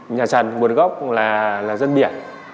nhà trần nguồn gốc là dân biển